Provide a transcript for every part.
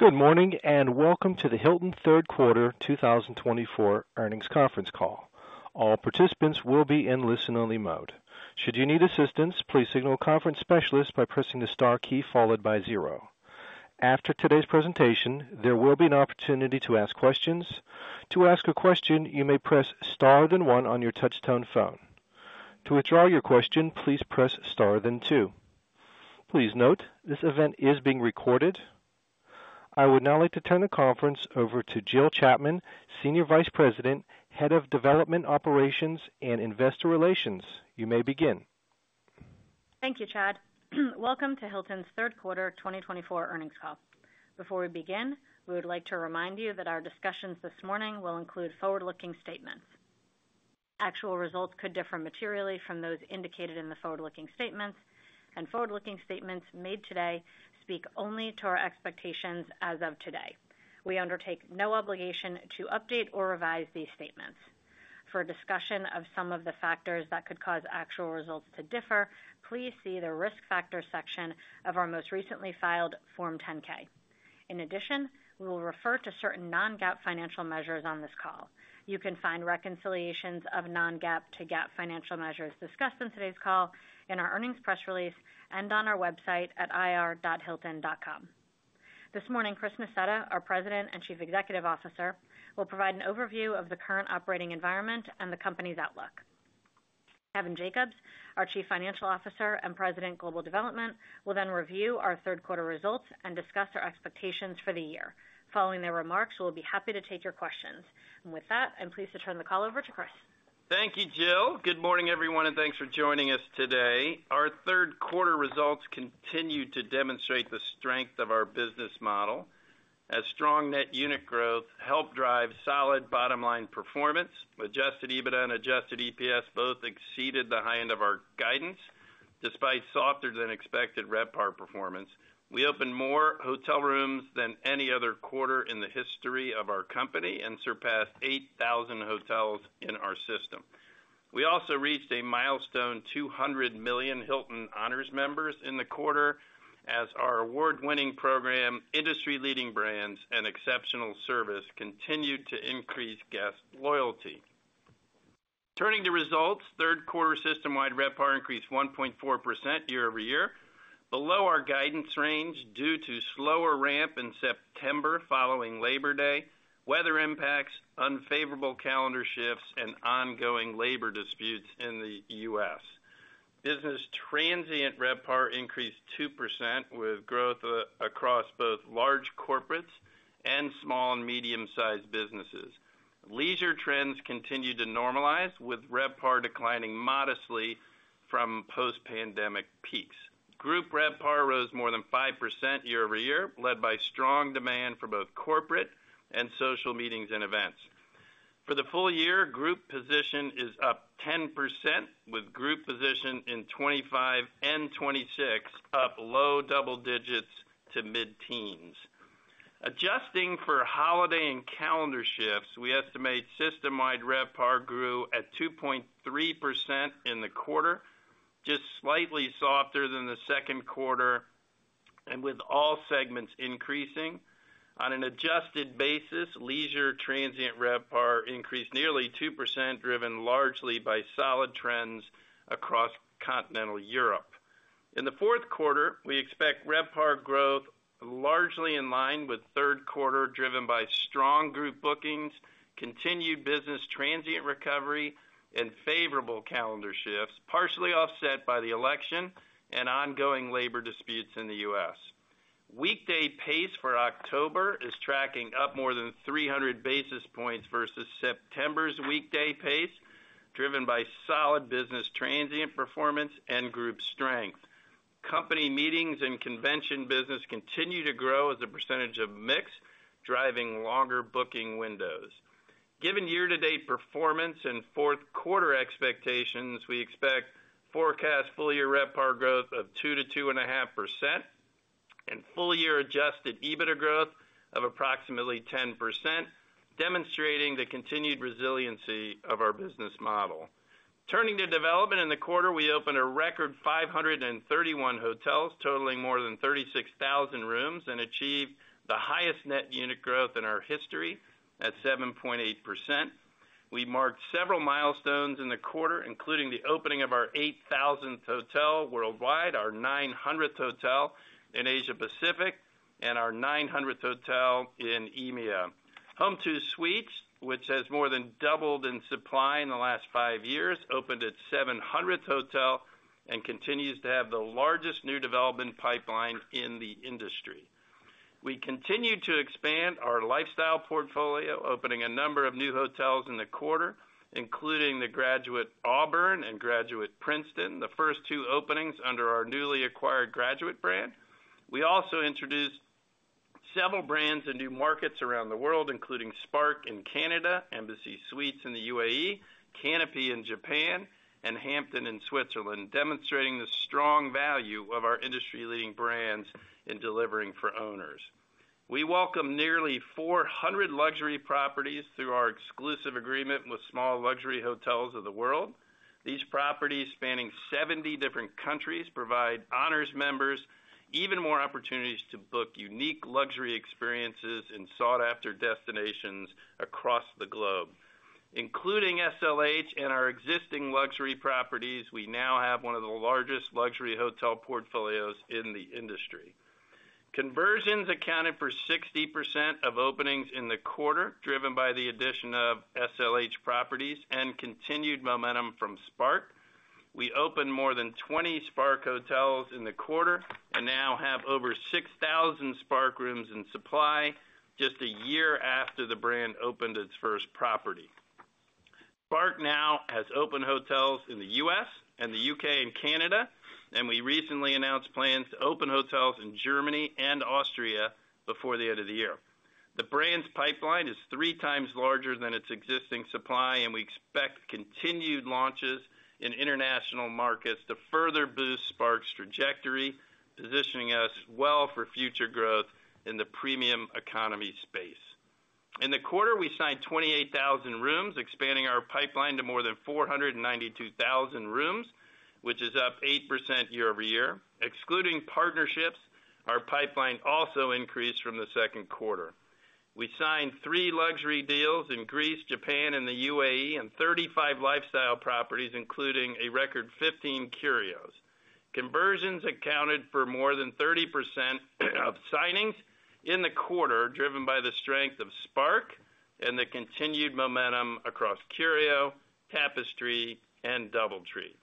Good morning, and welcome to the Hilton Third Quarter 2024 Earnings Conference Call. All participants will be in listen-only mode. Should you need assistance, please signal a conference specialist by pressing the star key followed by zero. After today's presentation, there will be an opportunity to ask questions. To ask a question, you may press star, then one on your touchtone phone. To withdraw your question, please press star, then two. Please note, this event is being recorded. I would now like to turn the conference over to Jill Chapman, Senior Vice President, Head of Development, Operations, and Investor Relations. You may begin. Thank you, Chad. Welcome to Hilton's Third Quarter 2024 Earnings Call. Before we begin, we would like to remind you that our discussions this morning will include forward-looking statements. Actual results could differ materially from those indicated in the forward-looking statements, and forward-looking statements made today speak only to our expectations as of today. We undertake no obligation to update or revise these statements. For a discussion of some of the factors that could cause actual results to differ, please see the Risk Factors section of our most recently filed Form 10-K. In addition, we will refer to certain non-GAAP financial measures on this call. You can find reconciliations of non-GAAP to GAAP financial measures discussed in today's call in our earnings press release and on our website at ir.hilton.com. This morning, Chris Nassetta, our President and Chief Executive Officer, will provide an overview of the current operating environment and the company's outlook. Kevin Jacobs, our Chief Financial Officer and President, Global Development, will then review our third quarter results and discuss our expectations for the year. Following their remarks, we'll be happy to take your questions, and with that, I'm pleased to turn the call over to Chris. Thank you, Jill. Good morning, everyone, and thanks for joining us today. Our third quarter results continued to demonstrate the strength of our business model, as strong net unit growth helped drive solid bottom-line performance. Adjusted EBITDA and adjusted EPS both exceeded the high end of our guidance, despite softer than expected RevPAR performance. We opened more hotel rooms than any other quarter in the history of our company and surpassed 8,000 hotels in our system. We also reached a milestone 200 million Hilton Honors members in the quarter, as our award-winning program, industry-leading brands, and exceptional service continued to increase guest loyalty. Turning to results, third quarter system-wide RevPAR increased 1.4% year over year, below our guidance range due to slower ramp in September following Labor Day, weather impacts, unfavorable calendar shifts, and ongoing labor disputes in the U.S. Business transient RevPAR increased 2%, with growth across both large corporates and small and medium-sized businesses. Leisure trends continued to normalize, with RevPAR declining modestly from post-pandemic peaks. Group RevPAR rose more than 5% year over year, led by strong demand for both corporate and social meetings and events. For the full year, group position is up 10%, with group position in 2025 and 2026 up low double digits to mid-teens. Adjusting for holiday and calendar shifts, we estimate system-wide RevPAR grew at 2.3% in the quarter, just slightly softer than the second quarter, and with all segments increasing. On an adjusted basis, leisure transient RevPAR increased nearly 2%, driven largely by solid trends across Continental Europe. In the fourth quarter, we expect RevPAR growth largely in line with third quarter, driven by strong group bookings, continued business transient recovery, and favorable calendar shifts, partially offset by the election and ongoing labor disputes in the U.S. Weekday pace for October is tracking up more than 300 basis points versus September's weekday pace, driven by solid business transient performance and group strength. Company meetings and convention business continue to grow as a percentage of mix, driving longer booking windows. Given year-to-date performance and fourth quarter expectations, we expect forecast full-year RevPAR growth of 2%-2.5%, and full-year Adjusted EBITDA growth of approximately 10%, demonstrating the continued resiliency of our business model. Turning to development, in the quarter, we opened a record 531 hotels, totaling more than 36,000 rooms, and achieved the highest net unit growth in our history at 7.8%. We marked several milestones in the quarter, including the opening of our 8,000th hotel worldwide, our 900th hotel in Asia Pacific, and our 900th hotel in EMEA. Home2 Suites, which has more than doubled in supply in the last five years, opened its 700th hotel and continues to have the largest new development pipeline in the industry. We continued to expand our lifestyle portfolio, opening a number of new hotels in the quarter, including the Graduate Auburn and Graduate Princeton, the first two openings under our newly acquired Graduate brand. We also introduced several brands in new markets around the world, including Spark in Canada, Embassy Suites in the UAE, Canopy in Japan, and Hampton in Switzerland, demonstrating the strong value of our industry-leading brands in delivering for owners. We welcome nearly four hundred luxury properties through our exclusive agreement with Small Luxury Hotels of the World. These properties, spanning seventy different countries, provide Honors members even more opportunities to book unique luxury experiences in sought-after destinations across the globe. Including SLH and our existing luxury properties, we now have one of the largest luxury hotel portfolios in the industry. Conversions accounted for 60% of openings in the quarter, driven by the addition of SLH properties and continued momentum from Spark. We opened more than twenty Spark hotels in the quarter and now have over six thousand Spark rooms in supply, just a year after the brand opened its first property. Spark now has open hotels in the U.S., and the U.K., and Canada, and we recently announced plans to open hotels in Germany and Austria before the end of the year. The brand's pipeline is three times larger than its existing supply, and we expect continued launches in international markets to further boost Spark's trajectory, positioning us well for future growth in the premium economy space. In the quarter, we signed twenty-eight thousand rooms, expanding our pipeline to more than four hundred and ninety-two thousand rooms, which is up 8% year-over-year. Excluding partnerships, our pipeline also increased from the second quarter. We signed three luxury deals in Greece, Japan, and the UAE, and 35 lifestyle properties, including a record 15 Curios. Conversions accounted for more than 30% of signings in the quarter, driven by the strength of Spark and the continued momentum across Curio, Tapestry, and DoubleTree.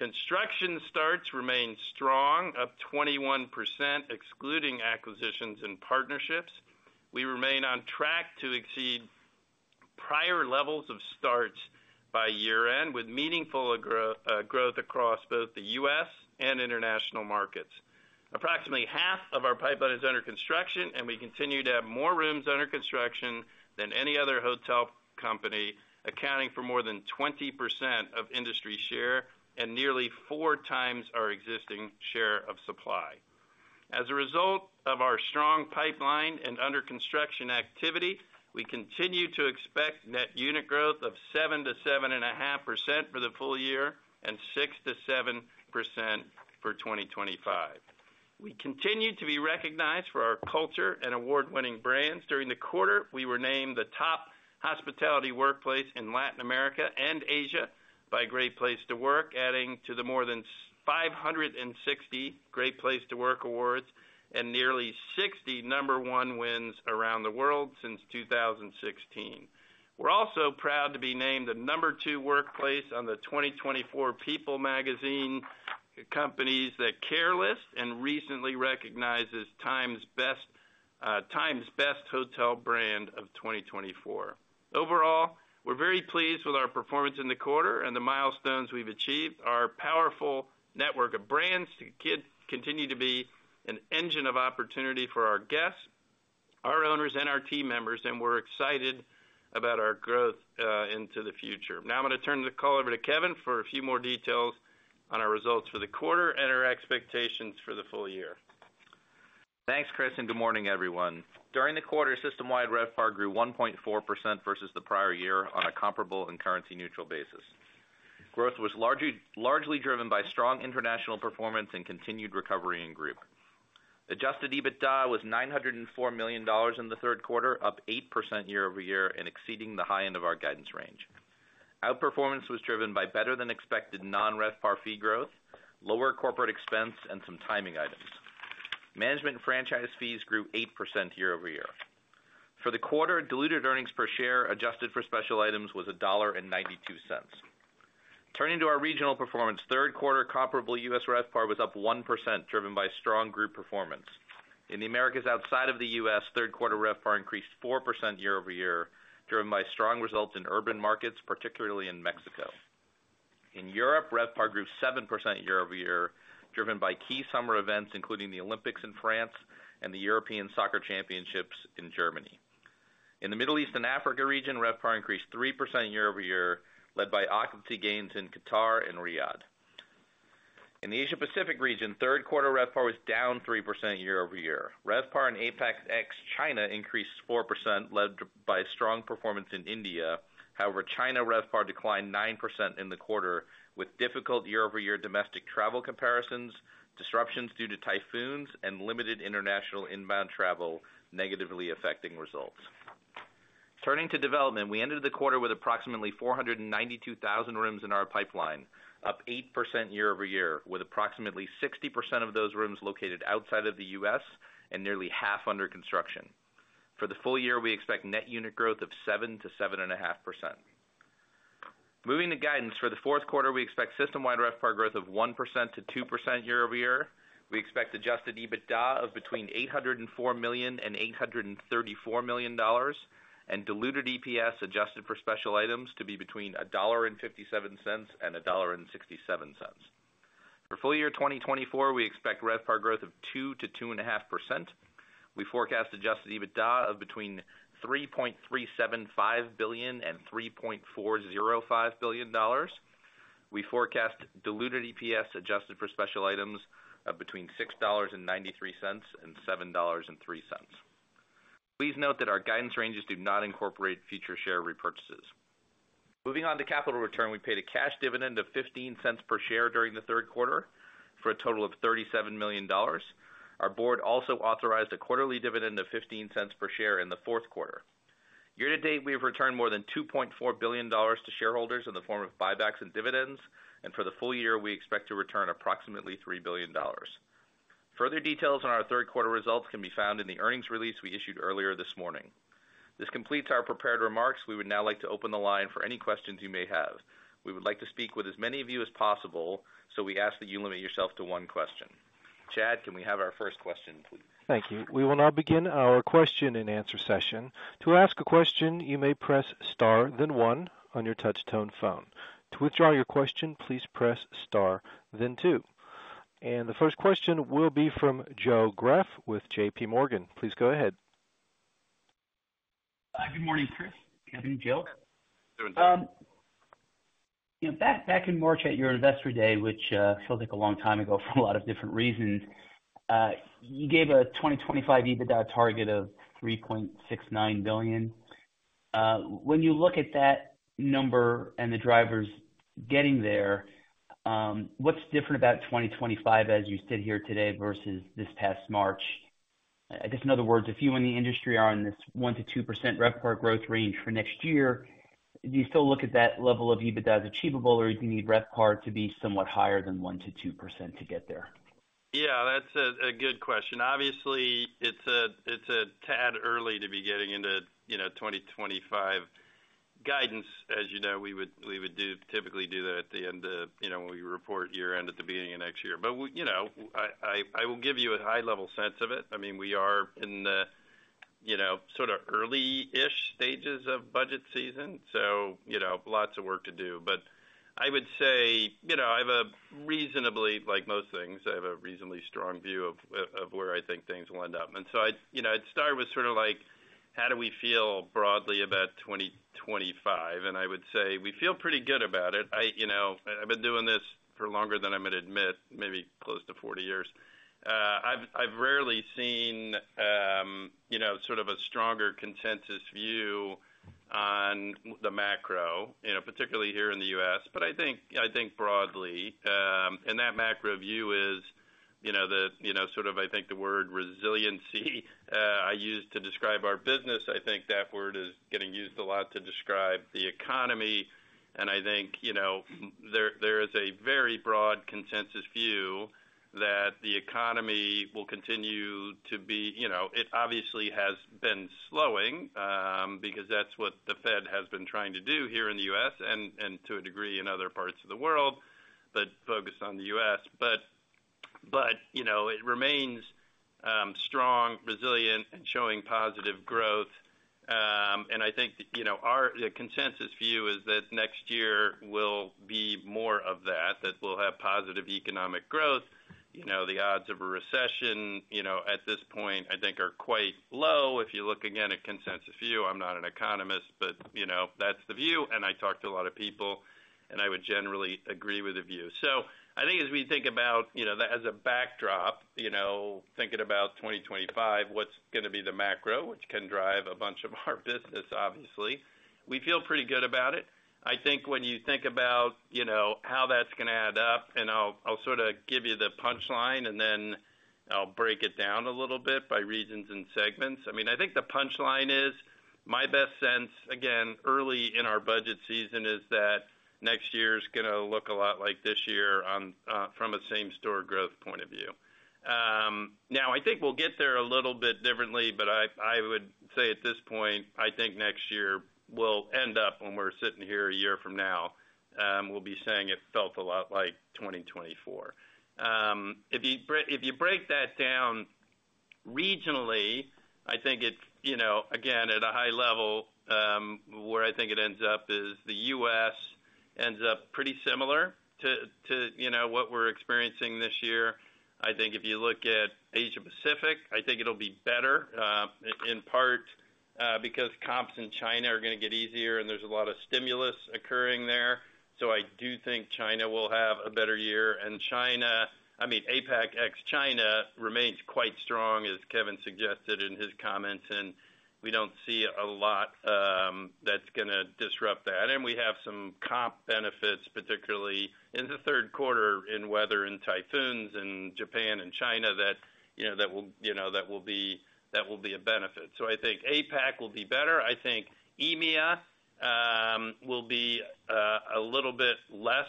Construction starts remained strong, up 21%, excluding acquisitions and partnerships. We remain on track to exceed prior levels of starts by year-end, with meaningful growth across both the U.S. and international markets. Approximately half of our pipeline is under construction, and we continue to have more rooms under construction than any other hotel company, accounting for more than 20% of industry share and nearly four times our existing share of supply. As a result of our strong pipeline and under construction activity, we continue to expect net unit growth of 7-7.5% for the full year and 6-7% for 2025. We continue to be recognized for our culture and award-winning brands. During the quarter, we were named the top hospitality workplace in Latin America and Asia by Great Place to Work, adding to the more than 560 Great Place to Work awards and nearly 60 number one wins around the world since 2016. We're also proud to be named the number two workplace on the 2024 People magazine Companies That Care list, and recently recognized as Time's Best Hotel Brand of 2024. Overall, we're very pleased with our performance in the quarter and the milestones we've achieved. Our powerful network of brands continue to be an engine of opportunity for our guests, our owners, and our team members, and we're excited about our growth into the future. Now I'm gonna turn the call over to Kevin for a few more details on our results for the quarter and our expectations for the full year. Thanks, Chris, and good morning, everyone. During the quarter, system-wide RevPAR grew 1.4% versus the prior year on a comparable and currency-neutral basis. Growth was largely driven by strong international performance and continued recovery in group. Adjusted EBITDA was $904 million in the third quarter, up 8% year-over-year and exceeding the high end of our guidance range. Outperformance was driven by better than expected non-RevPAR fee growth, lower corporate expense, and some timing items. Management and franchise fees grew 8% year-over-year. For the quarter, diluted earnings per share, adjusted for special items, was $1.92. Turning to our regional performance, third quarter comparable U.S. RevPAR was up 1%, driven by strong group performance. In the Americas, outside of the U.S., third quarter RevPAR increased 4% year-over-year, driven by strong results in urban markets, particularly in Mexico. In Europe, RevPAR grew 7% year-over-year, driven by key summer events, including the Olympics in France and the European Soccer Championships in Germany. In the Middle East and Africa region, RevPAR increased 3% year-over-year, led by occupancy gains in Qatar and Riyadh. In the Asia Pacific region, third quarter RevPAR was down 3% year-over-year. RevPAR in APAC ex China increased 4%, led by strong performance in India. However, China RevPAR declined 9% in the quarter, with difficult year-over-year domestic travel comparisons, disruptions due to typhoons, and limited international inbound travel negatively affecting results. Turning to development, we ended the quarter with approximately 492,000 rooms in our pipeline, up 8% year-over-year, with approximately 60% of those rooms located outside of the U.S. and nearly half under construction. For the full year, we expect net unit growth of 7 to 7.5%. Moving to guidance for the fourth quarter, we expect system-wide RevPAR growth of 1% to 2% year-over-year. We expect adjusted EBITDA of between $804 million and $834 million, and diluted EPS, adjusted for special items, to be between $1.57 and $1.67. For full year 2024, we expect RevPAR growth of 2 to 2.5%. We forecast Adjusted EBITDA of between $3.375 billion and $3.405 billion. We forecast diluted EPS, adjusted for special items, of between $6.93 and $7.03. Please note that our guidance ranges do not incorporate future share repurchases. Moving on to capital return. We paid a cash dividend of $0.15 per share during the third quarter, for a total of $37 million. Our board also authorized a quarterly dividend of $0.15 per share in the fourth quarter. Year to date, we have returned more than $2.4 billion to shareholders in the form of buybacks and dividends, and for the full year, we expect to return approximately $3 billion. Further details on our third quarter results can be found in the earnings release we issued earlier this morning. This completes our prepared remarks. We would now like to open the line for any questions you may have. We would like to speak with as many of you as possible, so we ask that you limit yourself to one question. Chad, can we have our first question, please? Thank you. We will now begin our question-and-answer session. To ask a question, you may press star, then one on your touch tone phone. To withdraw your question, please press star then two. And the first question will be from Joe Greff with JPMorgan. Please go ahead. Hi, good morning, Chris. Kevin, Joe. Back in March at your Investor Day, which feels like a long time ago for a lot of different reasons, you gave a 2025 EBITDA target of $3.69 billion. When you look at that number and the drivers getting there, what's different about 2025 as you sit here today versus this past March? I guess, in other words, if you in the industry are on this 1%-2% RevPAR growth range for next year, do you still look at that level of EBITDA as achievable, or do you need RevPAR to be somewhat higher than 1%-2% to get there? Yeah, that's a good question. Obviously, it's a tad early to be getting into, you know, 2025 guidance. As you know, we would typically do that at the end of, you know, when we report year end at the beginning of next year. But, you know, I will give you a high level sense of it. I mean, we are in the, you know, sort of early-ish stages of budget season, so, you know, lots of work to do. But I would say, you know, like most things, I have a reasonably strong view of where I think things will end up. And so I'd, you know, start with sort of like, how do we feel broadly about 2025? And I would say we feel pretty good about it. You know, I've been doing this for longer than I'm going to admit, maybe close to forty years. I've rarely seen you know, sort of a stronger consensus view on the macro, you know, particularly here in the U.S. But I think broadly, and that macro view is, you know, sort of I think the word resiliency I use to describe our business. I think that word is getting used a lot to describe the economy. And I think, you know, there is a very broad consensus view that the economy will continue to be. You know, it obviously has been slowing, because that's what the Fed has been trying to do here in the U.S., and to a degree in other parts of the world, but focused on the U.S. But, you know, it remains strong, resilient, and showing positive growth. And I think, you know, our consensus view is that next year will be more of that, that we'll have positive economic growth. You know, the odds of a recession, you know, at this point, I think, are quite low. If you look again at consensus view, I'm not an economist, but, you know, that's the view, and I talk to a lot of people, and I would generally agree with the view. So I think as we think about, you know, that as a backdrop, you know, thinking about 2025 what's going to be the macro, which can drive a bunch of our business, obviously, we feel pretty good about it. I think when you think about, you know, how that's going to add up, and I'll sort of give you the punch line, and then I'll break it down a little bit by regions and segments. I mean, I think the punch line is my best sense, again, early in our budget season, is that next year is gonna look a lot like this year on from a same-store growth point of view. Now, I think we'll get there a little bit differently, but I would say at this point, I think next year will end up when we're sitting here a year from now, we'll be saying it felt a lot like 2024. If you break that down regionally, I think it's, you know, again, at a high level, where I think it ends up is the U.S. ends up pretty similar to, you know, what we're experiencing this year. I think if you look at Asia Pacific, I think it'll be better, in part, because comps in China are gonna get easier, and there's a lot of stimulus occurring there. So I do think China will have a better year. And China, I mean, APAC ex-China remains quite strong, as Kevin suggested in his comments, and we don't see a lot, that's gonna disrupt that. And we have some comp benefits, particularly in the third quarter, in weather, in typhoons, in Japan and China, that, you know, will be a benefit. So I think APAC will be better. I think EMEA will be a little bit less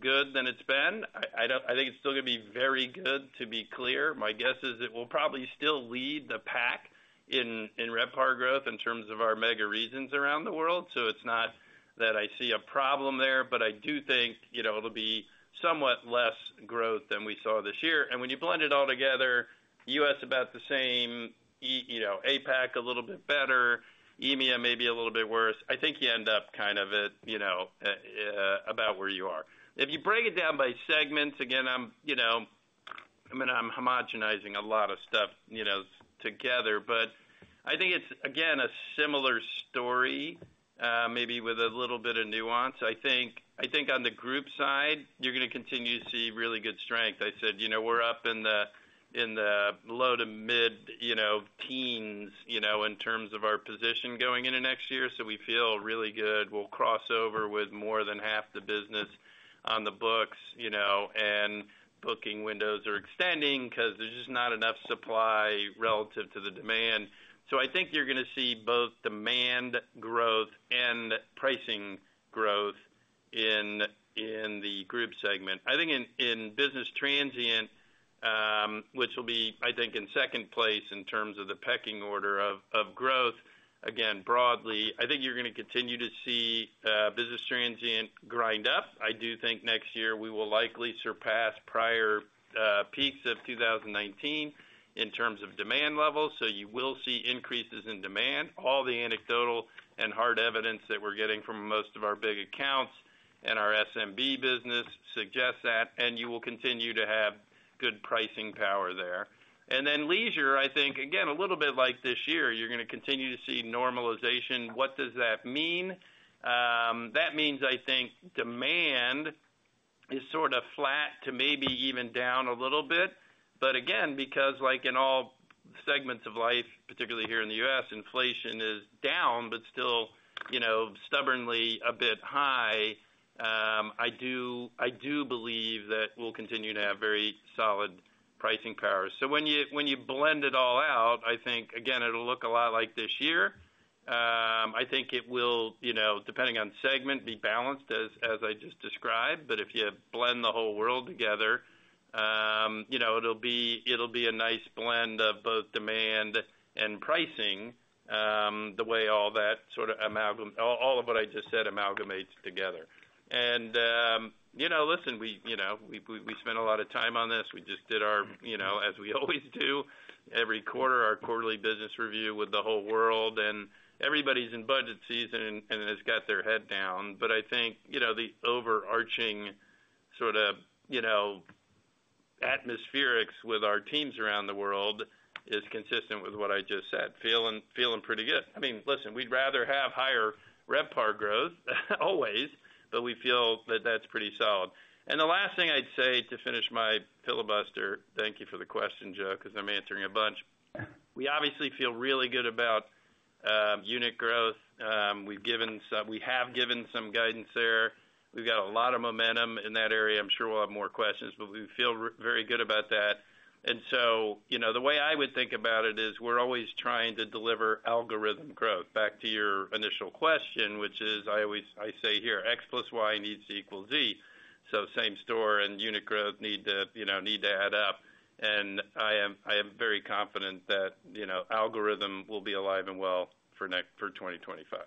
good than it's been. I think it's still gonna be very good, to be clear. My guess is it will probably still lead the pack in RevPAR growth in terms of our mega regions around the world. So it's not that I see a problem there, but I do think, you know, it'll be somewhat less growth than we saw this year. And when you blend it all together, US about the same, you know, APAC a little bit better, EMEA maybe a little bit worse. I think you end up kind of at, you know, about where you are. If you break it down by segments, again, I'm, you know... I mean, I'm homogenizing a lot of stuff, you know, together, but I think it's, again, a similar story, maybe with a little bit of nuance. I think, I think on the group side, you're gonna continue to see really good strength. I said, you know, we're up in the low to mid, you know, teens, you know, in terms of our position going into next year, so we feel really good. We'll cross over with more than half the business on the books, you know, and booking windows are extending 'cause there's just not enough supply relative to the demand. So I think you're gonna see both demand growth and pricing growth in the group segment. I think in business transient, which will be, I think, in second place in terms of the pecking order of growth, again, broadly, I think you're gonna continue to see business transient grind up. I do think next year we will likely surpass prior peaks of 2019 in terms of demand levels, so you will see increases in demand. All the anecdotal and hard evidence that we're getting from most of our big accounts and our SMB business suggests that, and you will continue to have good pricing power there. And then leisure, I think, again, a little bit like this year, you're gonna continue to see normalization. What does that mean? That means, I think, demand is sort of flat to maybe even down a little bit. But again, because like in all segments of life, particularly here in the U.S., inflation is down, but still, you know, stubbornly a bit high, I do believe that we'll continue to have very solid pricing power. So when you blend it all out, I think, again, it'll look a lot like this year. I think it will, you know, depending on segment, be balanced as I just described. But if you blend the whole world together, you know, it'll be a nice blend of both demand and pricing, the way all of what I just said amalgamates together. And, you know, listen, we spent a lot of time on this. We just did our, you know, as we always do every quarter, our quarterly business review with the whole world, and everybody's in budget season and, and has got their head down. But I think, you know, the overarching sort of, you know, atmospherics with our teams around the world is consistent with what I just said, feeling pretty good. I mean, listen, we'd rather have higher RevPAR growth, always, but we feel that that's pretty solid. And the last thing I'd say to finish my filibuster, thank you for the question, Joe, 'cause I'm answering a bunch. We obviously feel really good about unit growth. We have given some guidance there. We've got a lot of momentum in that area. I'm sure we'll have more questions, but we feel very good about that. So, you know, the way I would think about it is, we're always trying to deliver organic growth. Back to your initial question, which is, I always say here, X plus Y needs to equal Z, so same store and unit growth need to, you know, need to add up. And I am, I am very confident that, you know, organic will be alive and well for 2025.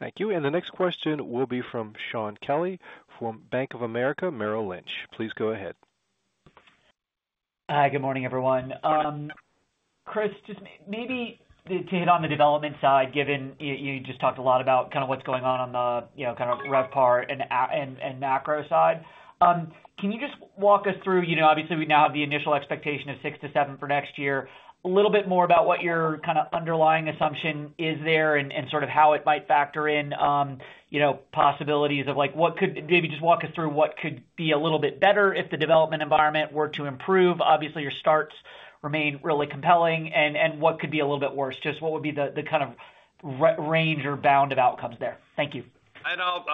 Thank you. And the next question will be from Shaun Kelley, from Bank of America Merrill Lynch. Please go ahead. Hi, good morning, everyone. Chris, just maybe to hit on the development side, given you just talked a lot about kind of what's going on on the, you know, kind of RevPAR and macro side. Can you just walk us through, you know, obviously, we now have the initial expectation of six to seven for next year, a little bit more about what your kind of underlying assumption is there and sort of how it might factor in, you know, possibilities of, like, what could... Maybe just walk us through what could be a little bit better if the development environment were to improve. Obviously, your starts remain really compelling, and what could be a little bit worse? Just what would be the kind of range or bound of outcomes there? Thank you. I'll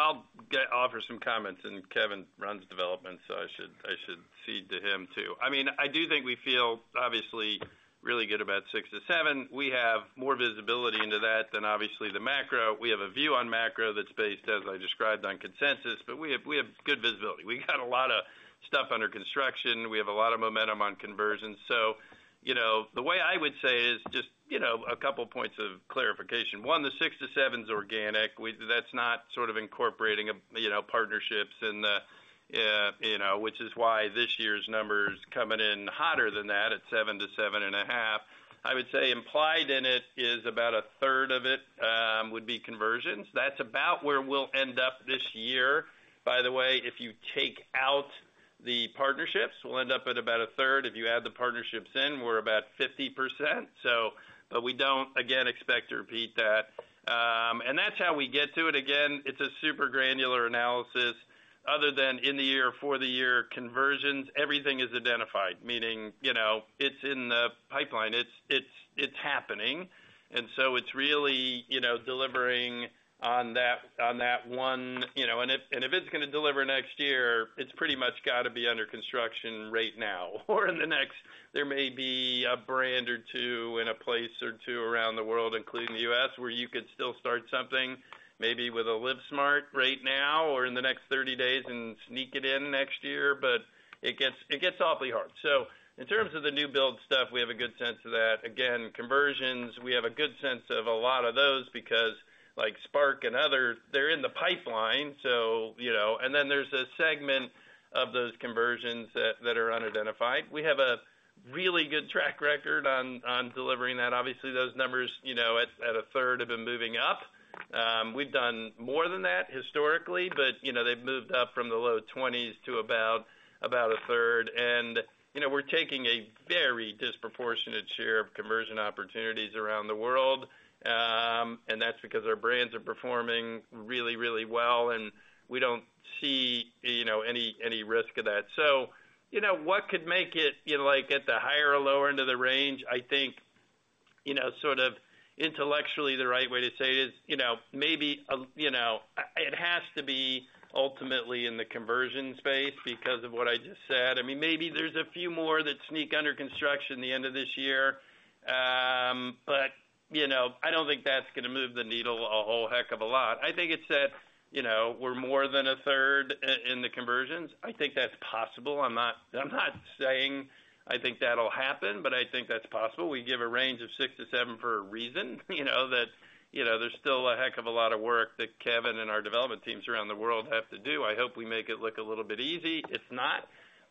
offer some comments, and Kevin runs development, so I should cede to him, too. I mean, I do think we feel obviously really good about six to seven. We have more visibility into that than obviously the macro. We have a view on macro that's based, as I described, on consensus, but we have good visibility. We got a lot of stuff under construction. We have a lot of momentum on conversions. So, you know, the way I would say is just, you know, a couple points of clarification. One, the six to seven is organic. That's not sort of incorporating, you know, partnerships and the, you know, which is why this year's numbers coming in hotter than that at seven to seven and a half. I would say implied in it is about a third of it would be conversions. That's about where we'll end up this year. By the way, if you take out the partnerships, we'll end up at about a third. If you add the partnerships in, we're about 50%, so, but we don't, again, expect to repeat that, and that's how we get to it. Again, it's a super granular analysis. Other than in the year, for the year conversions, everything is identified, meaning, you know, it's in the pipeline, it's happening, and so it's really, you know, delivering on that one, you know. And if it's gonna deliver next year, it's pretty much gotta be under construction right now, or in the next, there may be a brand or two in a place or two around the world, including the US, where you could still start something, maybe with a LivSmart right now or in the next thirty days and sneak it in next year, but it gets awfully hard. So in terms of the new build stuff, we have a good sense of that. Again, conversions, we have a good sense of a lot of those because, like Spark and others, they're in the pipeline, so, you know. And then there's a segment of those conversions that are unidentified. We have a really good track record on delivering that. Obviously, those numbers, you know, at a third, have been moving up. We've done more than that historically, but, you know, they've moved up from the low twenties to about a third. And, you know, we're taking a very disproportionate share of conversion opportunities around the world, and that's because our brands are performing really, really well, and we don't see, you know, any risk of that. So, you know, what could make it, you know, like, at the higher or lower end of the range? I think, you know, sort of intellectually, the right way to say it is, you know, maybe, you know, it has to be ultimately in the conversion space because of what I just said. I mean, maybe there's a few more that sneak under construction the end of this year, but, you know, I don't think that's gonna move the needle a whole heck of a lot. I think it's that, you know, we're more than a third in the conversions. I think that's possible. I'm not, I'm not saying I think that'll happen, but I think that's possible. We give a range of six to seven for a reason. You know, that, you know, there's still a heck of a lot of work that Kevin and our development teams around the world have to do. I hope we make it look a little bit easy. It's not,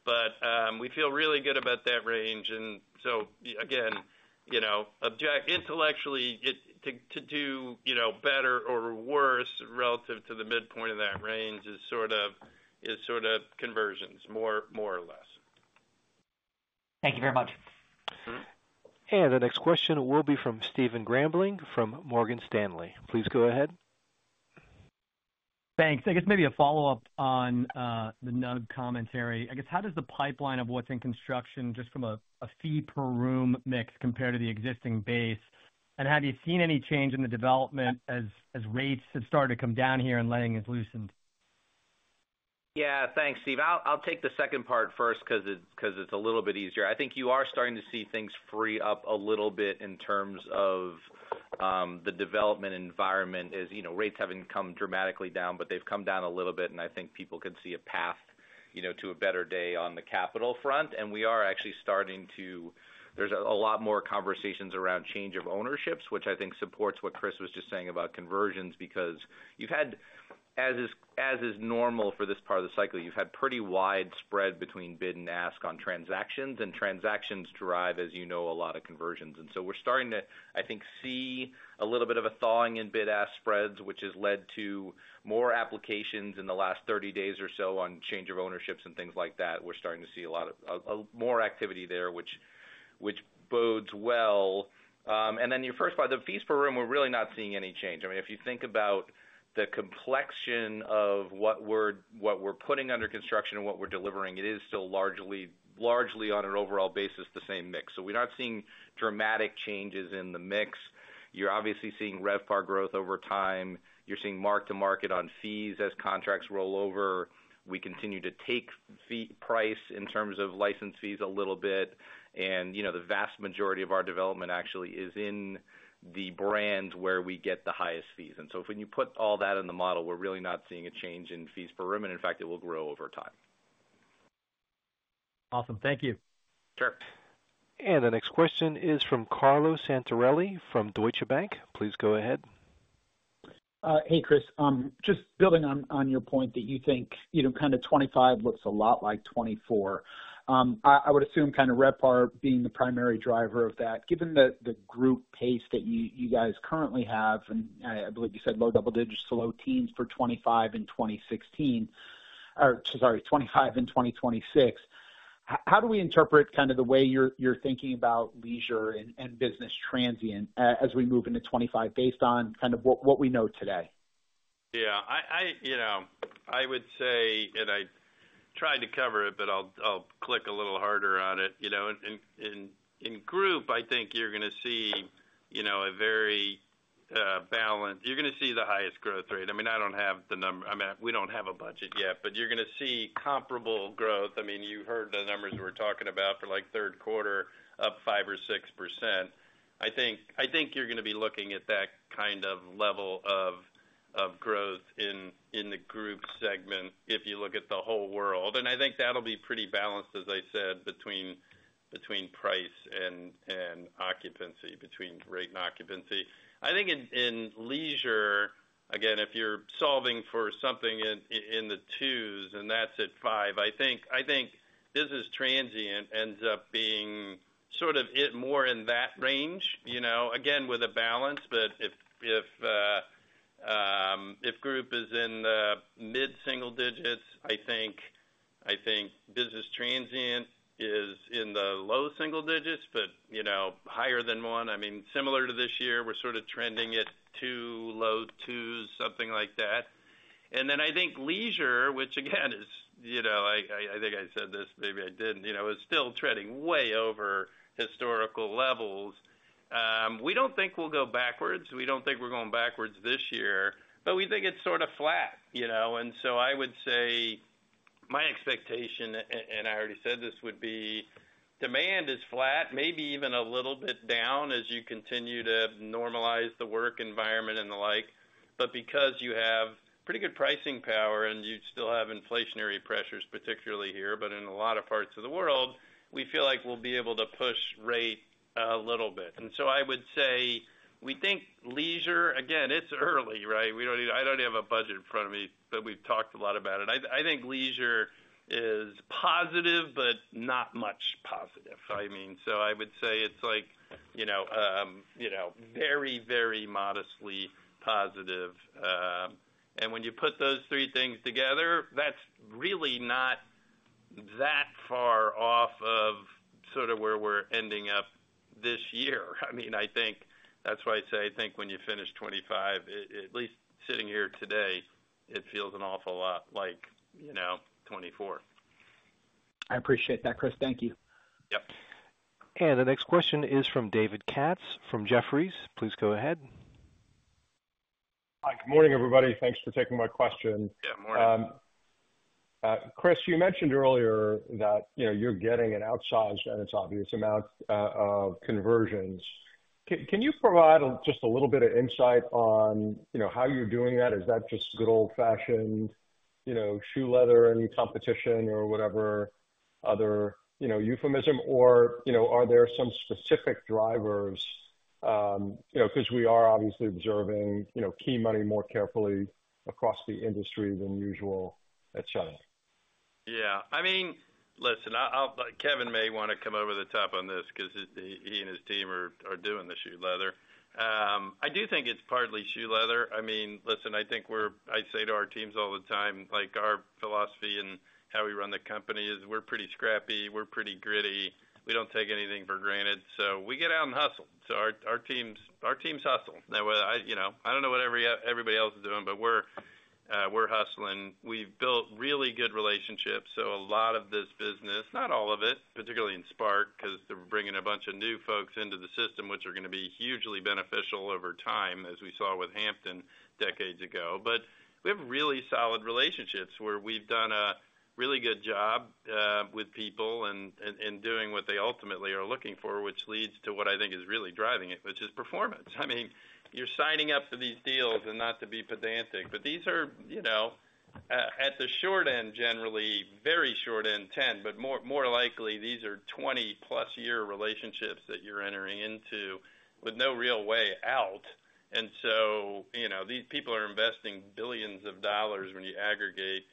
but we feel really good about that range. And so, again, you know, objectively, it to do, you know, better or worse, relative to the midpoint of that range is sort of conversions, more or less. Thank you very much. The next question will be from Stephen Grambling from Morgan Stanley. Please go ahead. Thanks. I guess maybe a follow-up on the NUG commentary. I guess, how does the pipeline of what's in construction, just from a fee per room mix, compare to the existing base? And have you seen any change in the development as rates have started to come down here and lending has loosened? Yeah, thanks, Steve. I'll take the second part first, 'cause it's a little bit easier. I think you are starting to see things free up a little bit in terms of the development environment, as you know, rates haven't come dramatically down, but they've come down a little bit, and I think people could see a path, you know, to a better day on the capital front. And we are actually starting to... There's a lot more conversations around change of ownerships, which I think supports what Chris was just saying about conversions. Because you've had, as is normal for this part of the cycle, you've had pretty wide spread between bid and ask on transactions, and transactions drive, as you know, a lot of conversions. And so we're starting to, I think, see a little bit of a thawing in bid-ask spreads, which has led to more applications in the last thirty days or so on change of ownerships and things like that. We're starting to see a lot more activity there, which bodes well. And then your first part, the fees per room, we're really not seeing any change. I mean, if you think about the complexion of what we're putting under construction and what we're delivering, it is still largely on an overall basis, the same mix. So we're not seeing dramatic changes in the mix. You're obviously seeing RevPAR growth over time. You're seeing mark-to-market on fees as contracts roll over. We continue to take fee pressure in terms of license fees a little bit, and, you know, the vast majority of our development actually is in the brands where we get the highest fees. And so when you put all that in the model, we're really not seeing a change in fees per room, and in fact, it will grow over time. Awesome. Thank you. Sure. The next question is from Carlo Santarelli from Deutsche Bank. Please go ahead. Hey, Chris, just building on your point that you think, you know, kind of 2025 looks a lot like 2024. I would assume kind of RevPAR being the primary driver of that. Given the group pace that you guys currently have, and I believe you said low double digits to low teens for 2025 and 2016, or sorry, 2025 and 2026. How do we interpret kind of the way you're thinking about leisure and business transient, as we move into 2025, based on kind of what we know today? Yeah, you know, I would say, and I tried to cover it, but I'll click a little harder on it. You know, in Group, I think you're gonna see, you know, a very balanced. You're gonna see the highest growth rate. I mean, I don't have the. I mean, we don't have a budget yet, but you're gonna see comparable growth. I mean, you heard the numbers we're talking about for, like, third quarter, up 5% or 6%. I think you're gonna be looking at that kind of level of growth in the group segment if you look at the whole world. I think that'll be pretty balanced, as I said, between price and occupancy, between rate and occupancy. I think in leisure, again, if you're solving for something in the twos, and that's at five, I think business transient ends up being sort of it more in that range, you know? Again, with a balance, but if group is in the mid-single digits, I think business transient is in the low single digits, but, you know, higher than one. I mean, similar to this year, we're sort of trending at two, low twos, something like that. Then I think leisure, which again is, you know, I think I said this, maybe I didn't, you know, is still trending way over historical levels. We don't think we'll go backwards. We don't think we're going backwards this year, but we think it's sort of flat, you know? I would say my expectation, and I already said this, would be demand is flat, maybe even a little bit down, as you continue to normalize the work environment and the like. But because you have pretty good pricing power and you still have inflationary pressures, particularly here, but in a lot of parts of the world, we feel like we'll be able to push rate a little bit. I would say we think leisure - again, it's early, right? We don't even - I don't have a budget in front of me, but we've talked a lot about it. I think leisure is positive, but not much positive. I mean, so I would say it's like, you know, you know, very, very modestly positive. And when you put those three things together, that's really not that far off of sort of where we're ending up this year. I mean, I think that's why I say I think when you finish 2025, at least sitting here today, it feels an awful lot like, you know, 2024. I appreciate that, Chris. Thank you. Yep. And the next question is from David Katz, from Jefferies. Please go ahead. Hi, good morning, everybody. Thanks for taking my question. Chris, you mentioned earlier that, you know, you're getting an outsized, and it's obvious amount, of conversions. Can you provide just a little bit of insight on, you know, how you're doing that? Is that just good old-fashioned, you know, shoe leather and competition or whatever other, you know, euphemism, or, you know, are there some specific drivers? You know, 'cause we are obviously observing, you know, key money more carefully across the industry than usual, et cetera. Yeah. I mean, listen, I'll Kevin may wanna come over the top on this 'cause he and his team are doing the shoe leather. I do think it's partly shoe leather. I mean, listen, I think we're. I say to our teams all the time, like, our philosophy and how we run the company is we're pretty scrappy, we're pretty gritty, we don't take anything for granted, so we get out and hustle. So our teams hustle. Now, I, you know, I don't know what everybody else is doing, but we're hustling. We've built really good relationships, so a lot of this business, not all of it, particularly in Spark, 'cause they're bringing a bunch of new folks into the system, which are gonna be hugely beneficial over time, as we saw with Hampton decades ago. But we have really solid relationships where we've done a really good job with people and doing what they ultimately are looking for, which leads to what I think is really driving it, which is performance. I mean, you're signing up for these deals, and not to be pedantic, but these are, you know, at the short end, generally very short end ten, but more likely, these are twenty-plus year relationships that you're entering into with no real way out. And so, you know, these people are investing billions of dollars when you aggregate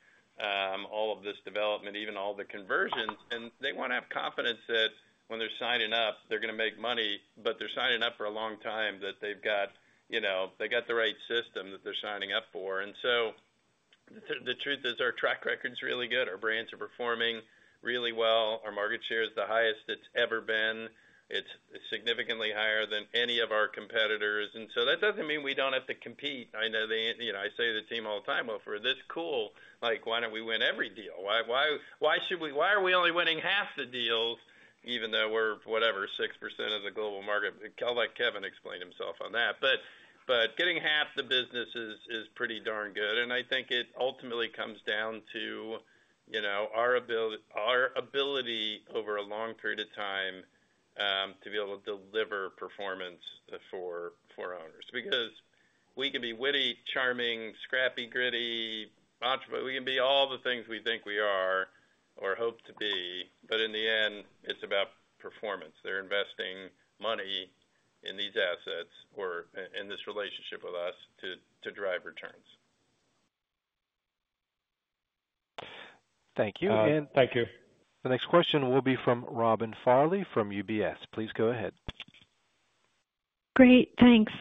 all of this development, even all the conversions, and they wanna have confidence that when they're signing up, they're gonna make money, but they're signing up for a long time, that they've got, you know, they've got the right system that they're signing up for. The truth is, our track record is really good. Our brands are performing really well. Our market share is the highest it's ever been. It's significantly higher than any of our competitors. That doesn't mean we don't have to compete. You know, I say to the team all the time, "Well, if we're this cool, like, why don't we win every deal? Why, why, why should we, why are we only winning half the deals, even though we're, whatever, 6% of the global market?" I'll let Kevin explain himself on that, but getting half the business is pretty darn good, and I think it ultimately comes down to, you know, our ability over a long period of time to be able to deliver performance for owners. Because we can be witty, charming, scrappy, gritty, entrepreneur, we can be all the things we think we are or hope to be, but in the end, it's about performance. They're investing money in these assets or in this relationship with us to drive returns. Thank you. Thank you. The next question will be from Robin Farley, from UBS. Please go ahead. Great, thanks.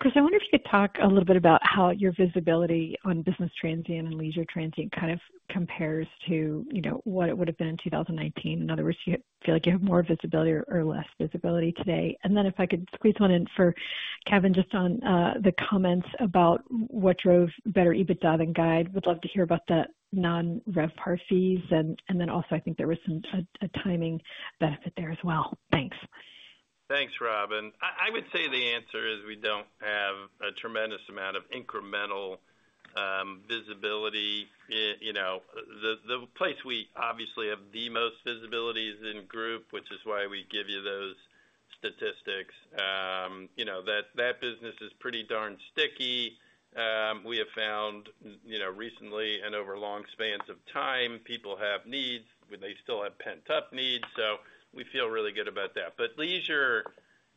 Chris, I wonder if you could talk a little bit about how your visibility on business transient and leisure transient kind of compares to, you know, what it would have been in 2019. In other words, do you feel like you have more visibility or less visibility today? And then if I could squeeze one in for Kevin, just on the comments about what drove better EBITDA than guide. Would love to hear about the non-RevPAR fees, and then also, I think there was a timing benefit there as well. Thanks. Thanks, Robyn. I would say the answer is we don't have a tremendous amount of incremental visibility. You know, the place we obviously have the most visibility is in group, which is why we give you those statistics. You know, that business is pretty darn sticky. We have found, you know, recently and over long spans of time, people have needs, but they still have pent-up needs, so we feel really good about that. But leisure,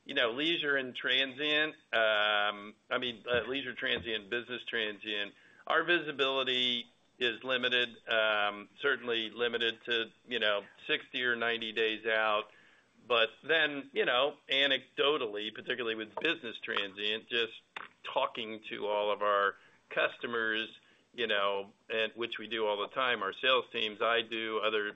you know, leisure and transient, I mean, leisure transient, business transient, our visibility is limited, certainly limited to, you know, sixty or ninety days out. But then, you know, anecdotally, particularly with business transient, just talking to all of our customers, you know, and which we do all the time, our sales teams, I do, others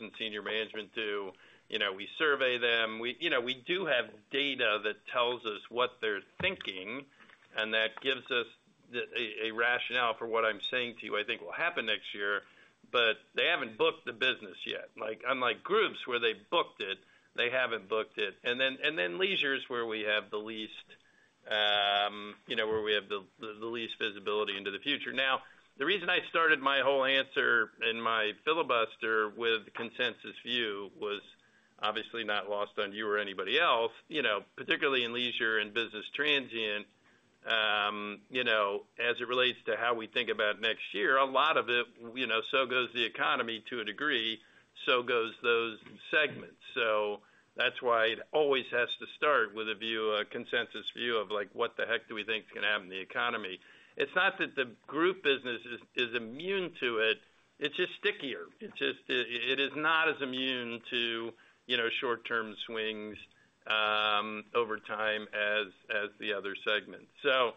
in senior management do, you know, we survey them. We, you know, we do have data that tells us what they're thinking, and that gives us a rationale for what I'm saying to you, I think will happen next year, but they haven't booked the business yet. Like, unlike groups where they've booked it, they haven't booked it. And then leisure is where we have the least, you know, where we have the least visibility into the future. Now, the reason I started my whole answer and my filibuster with consensus view was obviously not lost on you or anybody else. You know, particularly in leisure and business transient, you know, as it relates to how we think about next year, a lot of it, you know, so goes the economy to a degree, so goes those segments. So. That's why it always has to start with a view, a consensus view of like, what the heck do we think is gonna happen in the economy? It's not that the group business is immune to it, it's just stickier. It just, it is not as immune to, you know, short-term swings, over time as the other segments. So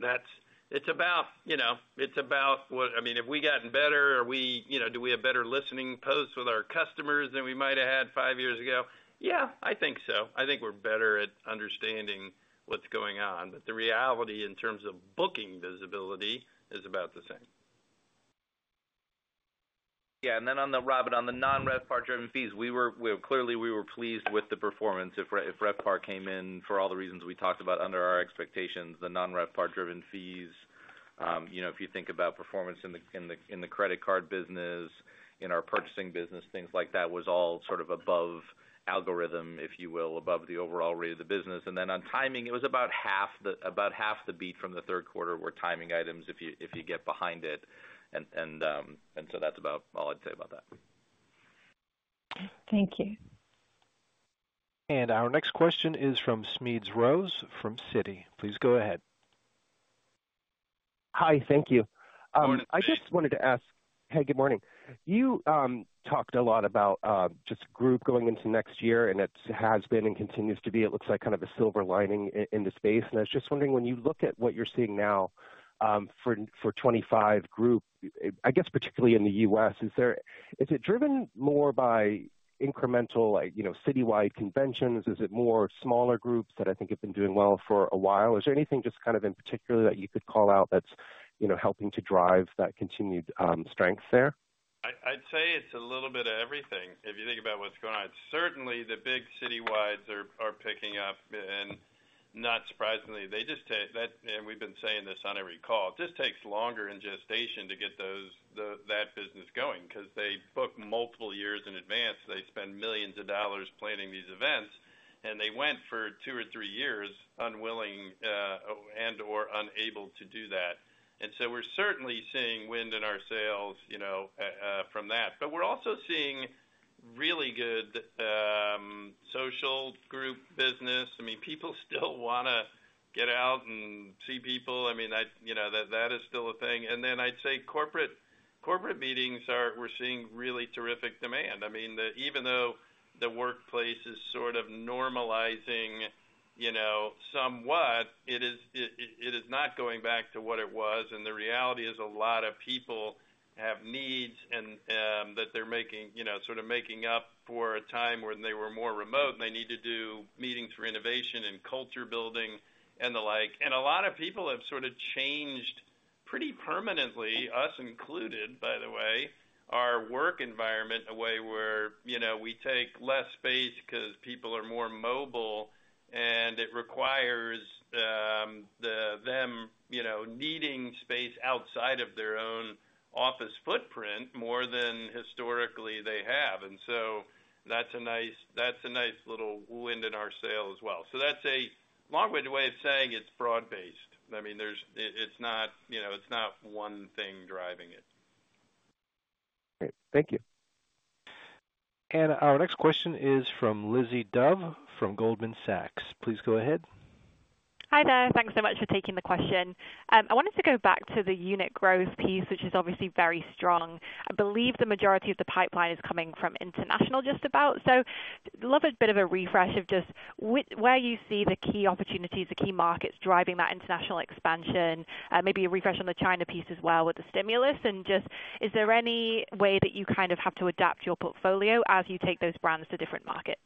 that's it. It's about, you know, it's about what. I mean, have we gotten better? Are we, you know, do we have better listening posts with our customers than we might have had five years ago? Yeah, I think so. I think we're better at understanding what's going on. But the reality in terms of booking visibility is about the same. Yeah, and then on the royalty, on the non-RevPAR-driven fees, we were clearly pleased with the performance. If RevPAR came in for all the reasons we talked about under our expectations, the non-RevPAR-driven fees, you know, if you think about performance in the credit card business, in our purchasing business, things like that, was all sort of above algorithm, if you will, above the overall rate of the business. And then on timing, it was about half the beat from the third quarter were timing items, if you get behind it. And so that's about all I'd say about that. Thank you. Our next question is from Smedes Rose, from Citi. Please go ahead. Hi, thank you. Morning. I just wanted to ask... Hey, good morning. You talked a lot about just group going into next year, and it has been and continues to be, it looks like kind of a silver lining in the space. And I was just wondering, when you look at what you're seeing now, for twenty-five group, I guess, particularly in the U.S., is it driven more by incremental, like, you know, citywide conventions? Is it more smaller groups that I think have been doing well for a while? Is there anything just kind of in particular that you could call out that's, you know, helping to drive that continued strength there? I'd say it's a little bit of everything. If you think about what's going on, certainly the big citywides are picking up, and not surprisingly, they just take that. And we've been saying this on every call: it just takes longer in gestation to get those, that business going, 'cause they book multiple years in advance. They spend millions of dollars planning these events, and they went for two or three years, unwilling, and/or unable to do that. And so we're certainly seeing wind in our sails, you know, from that. But we're also seeing really good social group business. I mean, people still wanna get out and see people. I mean, you know, that is still a thing. And then I'd say corporate meetings are. We're seeing really terrific demand. I mean, the even though the workplace is sort of normalizing, you know, somewhat, it is not going back to what it was. And the reality is, a lot of people have needs and that they're making, you know, sort of making up for a time when they were more remote, and they need to do meetings for innovation and culture building and the like. And a lot of people have sort of changed pretty permanently, us included, by the way, our work environment in a way where, you know, we take less space 'cause people are more mobile, and it requires them, you know, needing space outside of their own office footprint more than historically they have. And so that's a nice, that's a nice little wind in our sail as well. So that's a long-winded way of saying it's broad-based. I mean, it's not, you know, it's not one thing driving it. Great. Thank you. Our next question is from Lizzie Dove, from Goldman Sachs. Please go ahead. Hi there. Thanks so much for taking the question. I wanted to go back to the unit growth piece, which is obviously very strong. I believe the majority of the pipeline is coming from international, just about. So love a bit of a refresh of just where you see the key opportunities, the key markets driving that international expansion, maybe a refresh on the China piece as well with the stimulus. And just, is there any way that you kind of have to adapt your portfolio as you take those brands to different markets?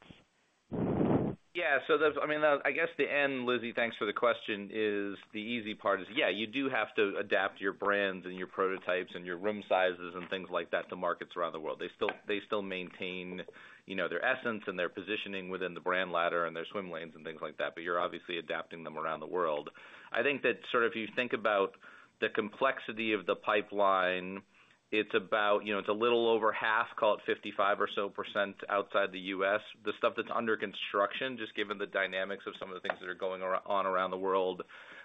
Yeah. So there's... I mean, I guess the end, Lizzie, thanks for the question, is the easy part is, yeah, you do have to adapt your brands and your prototypes and your room sizes and things like that to markets around the world. They still, they still maintain, you know, their essence and their positioning within the brand ladder and their swim lanes and things like that, but you're obviously adapting them around the world. I think that sort of, if you think about the complexity of the pipeline, it's about, you know, it's a little over half, call it 55% or so outside the US. The stuff that's under construction, just given the dynamics of some of the things that are going around the world,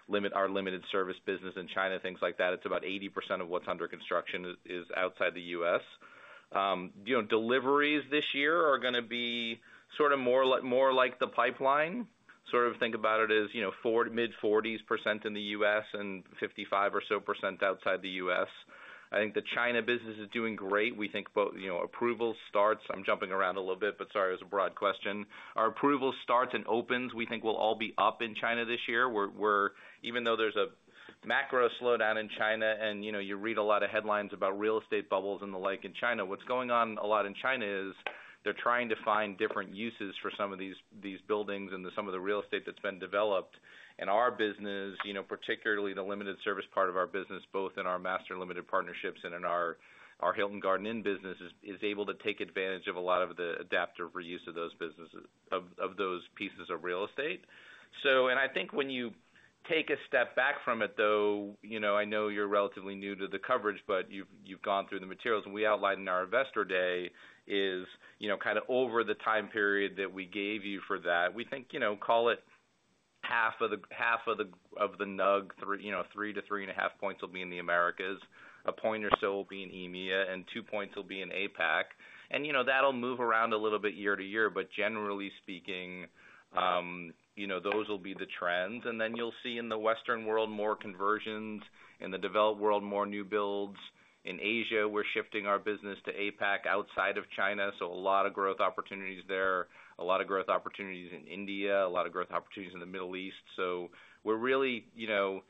like our limited service business in China, things like that, it's about 80% of what's under construction is outside the US. You know, deliveries this year are gonna be sort of more like the pipeline. Sort of think about it as, you know, 40, mid-40s% in the US and 55% or so outside the US. I think the China business is doing great. We think both, you know, approvals, starts. I'm jumping around a little bit, but sorry, it was a broad question. Our approvals, starts and opens, we think will all be up in China this year. We're even though there's a macro slowdown in China, and, you know, you read a lot of headlines about real estate bubbles and the like in China, what's going on a lot in China is they're trying to find different uses for some of these buildings and some of the real estate that's been developed. And our business, you know, particularly the limited service part of our business, both in our master limited partnerships and in our Hilton Garden Inn business, is able to take advantage of a lot of the adaptive reuse of those businesses, of those pieces of real estate. So... And I think when you take a step back from it, though, you know, I know you're relatively new to the coverage, but you've gone through the materials. And we outlined in our Investor Day is, you know, kind of over the time period that we gave you for that, we think, you know, call it half of the NUG, three, you know, three to three and a half points will be in the Americas, a point or so will be in EMEA, and two points will be in APAC. And, you know, that'll move around a little bit year to year, but generally speaking, you know, those will be the trends. And then you'll see in the Western world, more conversions. In the developed world, more new builds. In Asia, we're shifting our business to APAC outside of China, so a lot of growth opportunities there, a lot of growth opportunities in India, a lot of growth opportunities in the Middle East. So we're really, you know,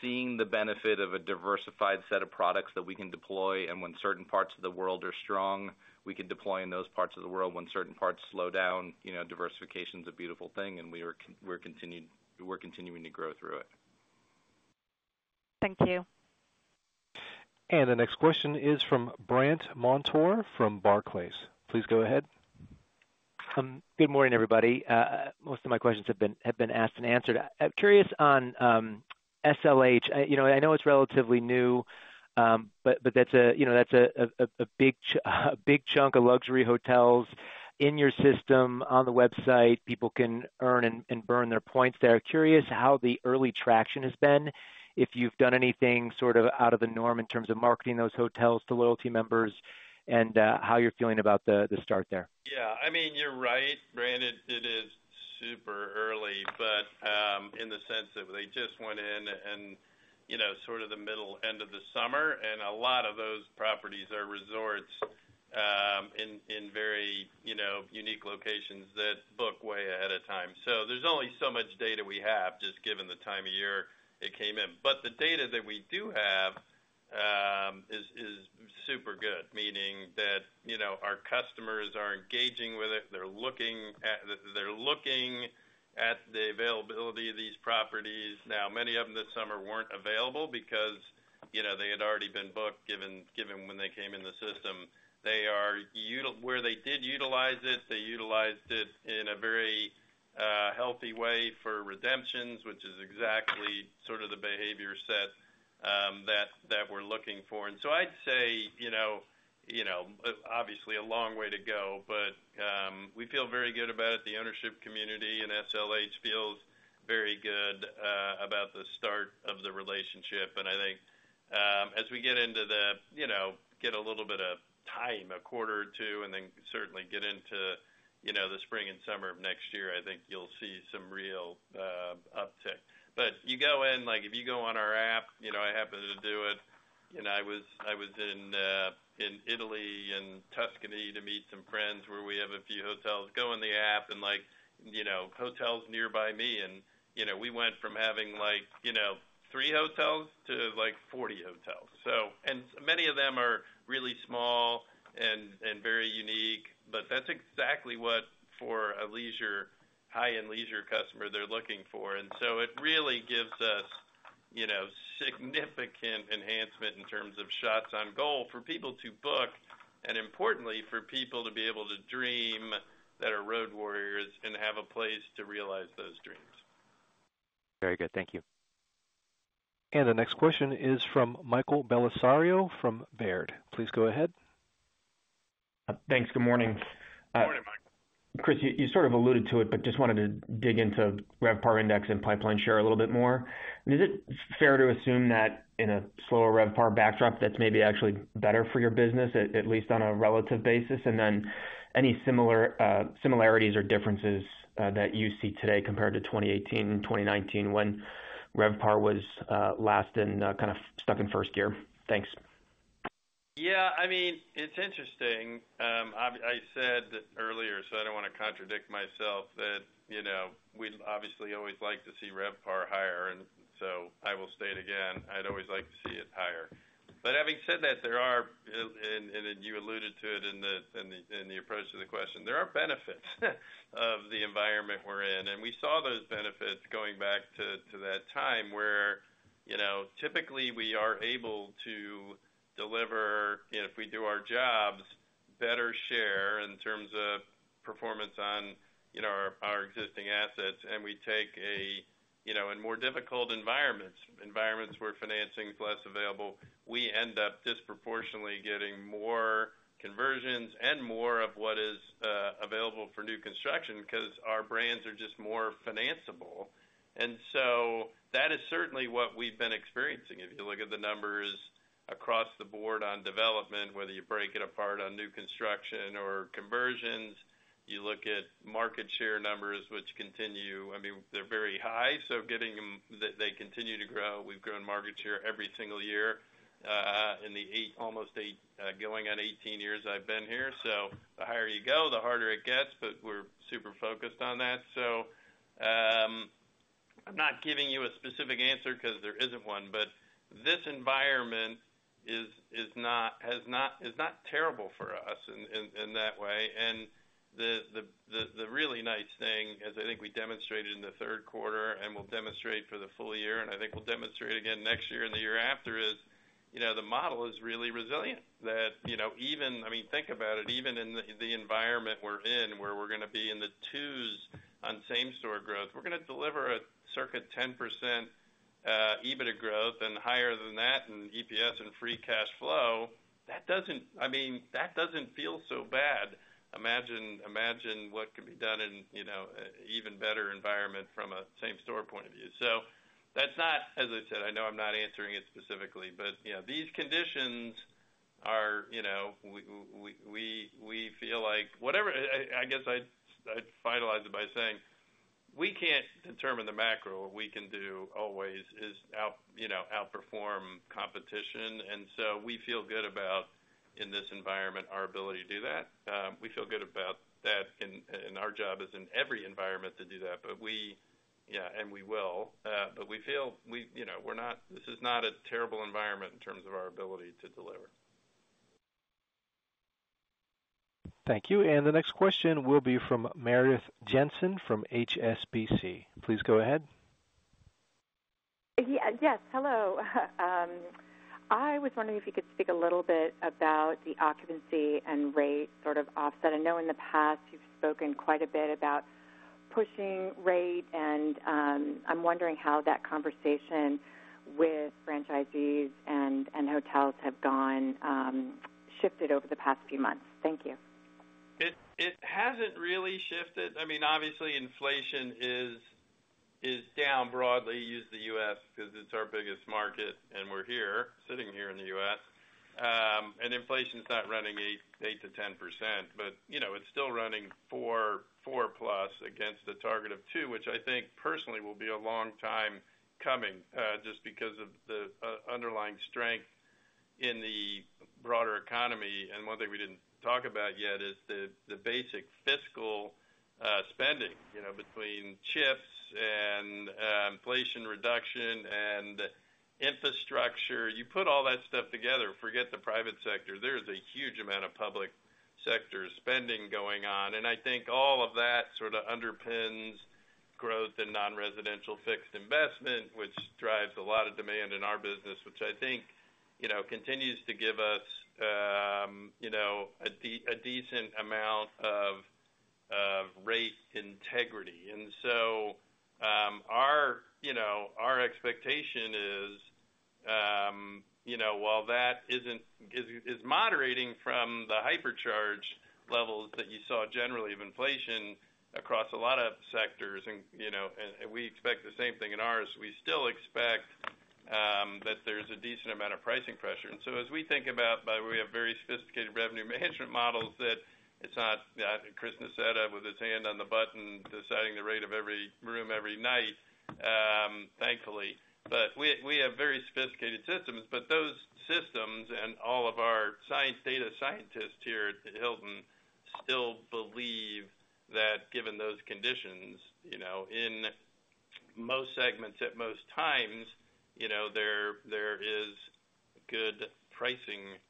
seeing the benefit of a diversified set of products that we can deploy, and when certain parts of the world are strong, we can deploy in those parts of the world. When certain parts slow down, you know, diversification is a beautiful thing, and we're continuing to grow through it. Thank you. And the next question is from Brandt Montour, from Barclays. Please go ahead. Good morning, everybody. Most of my questions have been asked and answered. I'm curious on SLH. You know, I know it's relatively new, but that's a big chunk of luxury hotels in your system. On the website, people can earn and burn their points there. Curious how the early traction has been, if you've done anything sort of out of the norm in terms of marketing those hotels to loyalty members, and how you're feeling about the start there? Yeah, I mean, you're right, Brandt. It is super early, but in the sense that they just went in and, you know, sort of the middle end of the summer, and a lot of those properties are resorts in very, you know, unique locations that book way ahead of time. So there's only so much data we have, just given the time of year it came in. But the data that we do have is super good, meaning that, you know, our customers are engaging with it. They're looking at the availability of these properties. Now, many of them this summer weren't available because, you know, they had already been booked, given when they came in the system. Where they did utilize it, they utilized it in a very healthy way for redemptions, which is exactly sort of the behavior set that we're looking for. And so I'd say, you know, obviously, a long way to go, but we feel very good about it. The ownership community and SLH feels very good about the start of the relationship. And I think, as we get into the, you know, get a little bit of time, a quarter or two, and then certainly get into, you know, the spring and summer of next year, I think you'll see some real uptick. But you go in. Like, if you go on our app, you know, I happen to do it, and I was in Italy and Tuscany to meet some friends, where we have a few hotels, go on the app and, like, you know, "hotels nearby me," and, you know, we went from having, like, you know, three hotels to, like, 40 hotels. So. And many of them are really small and very unique, but that's exactly what, for a leisure, high-end leisure customer, they're looking for. And so it really gives us, you know, significant enhancement in terms of shots on goal for people to book, and importantly, for people to be able to dream, that are road warriors, and have a place to realize those dreams. Very good. Thank you. The next question is from Michael Bellisario from Baird. Please go ahead. Thanks. Good morning. Chris, you sort of alluded to it, but just wanted to dig into RevPAR index and pipeline share a little bit more. Is it fair to assume that in a slower RevPAR backdrop, that's maybe actually better for your business, at least on a relative basis? And then, any similarities or differences that you see today compared to 2018 and 2019, when RevPAR was last kind of stuck in first gear? Thanks. Yeah, I mean, it's interesting. I said earlier, so I don't want to contradict myself, that, you know, we'd obviously always like to see RevPAR higher, and so I will state again, I'd always like to see it higher. But having said that, there are, and you alluded to it in the approach to the question, there are benefits of the environment we're in, and we saw those benefits going back to that time, where, you know, typically we are able to deliver, if we do our jobs, better share in terms of performance on, you know, our existing assets, and we take a... You know, in more difficult environments, where financing is less available, we end up disproportionately getting more conversions and more of what is available for new construction, 'cause our brands are just more financeable. And so that is certainly what we've been experiencing. If you look at the numbers across the board on development, whether you break it apart on new construction or conversions, you look at market share numbers, which continue. I mean, they're very high, so getting them. They continue to grow. We've grown market share every single year in the eight, almost eight, going on eighteen years I've been here. So the higher you go, the harder it gets, but we're super focused on that. So, I'm not giving you a specific answer because there isn't one, but this environment is not, has not, is not terrible for us in that way. And the really nice thing, as I think we demonstrated in the third quarter and will demonstrate for the full year, and I think we'll demonstrate again next year and the year after, is, you know, the model is really resilient. That, you know, even... I mean, think about it, even in the environment we're in, where we're gonna be in the twos on same store growth, we're gonna deliver a circa 10% EBITDA growth and higher than that in EPS and free cash flow... that doesn't, I mean, that doesn't feel so bad. Imagine, imagine what could be done in, you know, an even better environment from a same store point of view. So that's not. As I said, I know I'm not answering it specifically, but, you know, these conditions are, you know, we feel like whatever... I guess I'd finalize it by saying, we can't determine the macro. What we can do always is, you know, outperform competition, and so we feel good about, in this environment, our ability to do that. We feel good about that, and our job is in every environment to do that. But we, yeah, and we will. But we feel, you know, we're not. This is not a terrible environment in terms of our ability to deliver. Thank you. And the next question will be from Meredith Jensen, from HSBC. Please go ahead. Yeah. Yes, hello. I was wondering if you could speak a little bit about the occupancy and rate sort of offset. I know in the past you've spoken quite a bit about pushing rate, and I'm wondering how that conversation with franchisees and hotels have gone, shifted over the past few months. Thank you. It hasn't really shifted. I mean, obviously, inflation is down broadly. Use the U.S. because it's our biggest market, and we're here, sitting here in the U.S. And inflation's not running 8% to 10%, but, you know, it's still running 4% plus against a target of 2%, which I think personally will be a long time coming, just because of the underlying strength in the broader economy. One thing we didn't talk about yet is the basic fiscal spending, you know, between chips and inflation reduction and infrastructure. You put all that stuff together, forget the private sector, there is a huge amount of public sector spending going on, and I think all of that sort of underpins growth in non-residential fixed investment, which drives a lot of demand in our business, which I think, you know, continues to give us a decent amount of rate integrity. And so, our, you know, our expectation is, you know, while that is moderating from the hypercharge levels that you saw generally of inflation across a lot of sectors, and, you know, and we expect the same thing in ours. We still expect that there's a decent amount of pricing pressure. And so as we think about, but we have very sophisticated revenue management models that it's not Chris Nassetta with his hand on the button deciding the rate of every room every night, thankfully. But we have very sophisticated systems, but those systems and all of our science, data scientists here at Hilton still believe that given those conditions, you know, in most segments, at most times, you know, there is good pricing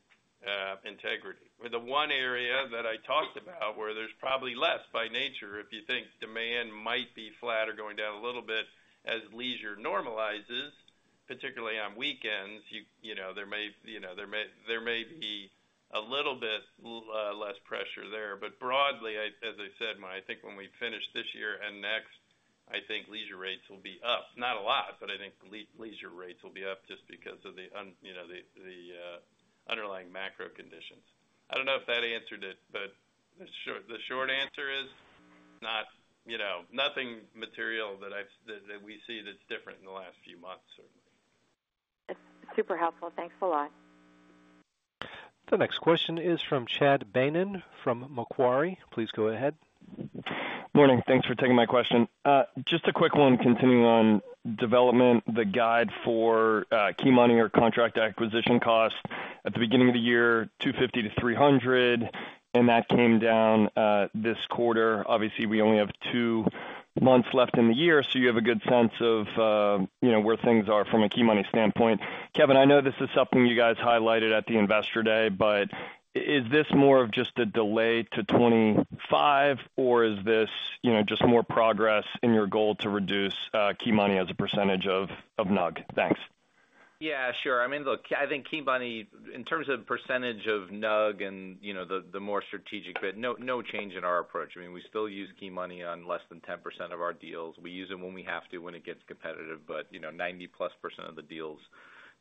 integrity. The one area that I talked about where there's probably less by nature, if you think demand might be flat or going down a little bit as leisure normalizes, particularly on weekends, you know, there may be a little bit less pressure there. But broadly, As I said, when I think we finish this year and next, I think leisure rates will be up. Not a lot, but I think leisure rates will be up just because of the underlying macro conditions. I don't know if that answered it, but the short answer is not, you know, nothing material that we see that's different in the last few months, certainly. It's super helpful. Thanks a lot. The next question is from Chad Beynon from Macquarie. Please go ahead. Morning. Thanks for taking my question. Just a quick one, continuing on development, the guide for key money or contract acquisition costs at the beginning of the year, 250-300, and that came down this quarter. Obviously, we only have two months left in the year, so you have a good sense of, you know, where things are from a key money standpoint. Kevin, I know this is something you guys highlighted at the Investor Day, but is this more of just a delay to 2025, or is this, you know, just more progress in your goal to reduce key money as a percentage of NUG? Thanks. Yeah, sure. I mean, look, I think key money, in terms of percentage of NUG and, you know, the more strategic fit, no change in our approach. I mean, we still use key money on less than 10% of our deals. We use them when we have to, when it gets competitive, but, you know, 90+% of the deals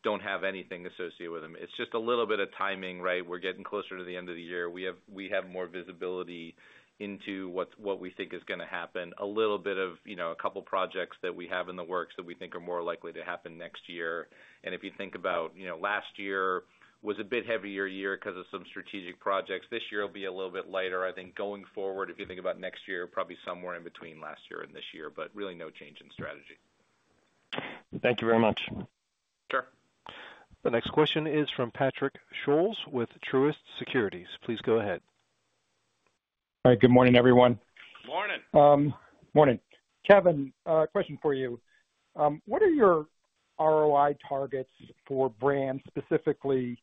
don't have anything associated with them. It's just a little bit of timing, right? We're getting closer to the end of the year. We have more visibility into what we think is gonna happen. A little bit of, you know, a couple projects that we have in the works that we think are more likely to happen next year. And if you think about, you know, last year was a bit heavier year because of some strategic projects. This year will be a little bit lighter. I think going forward, if you think about next year, probably somewhere in between last year and this year, but really no change in strategy. Thank you very much. Sure. The next question is from Patrick Scholes, with Truist Securities. Please go ahead. Hi, good morning, everyone. Morning. Morning. Kevin, question for you. What are your ROI targets for brands, specifically,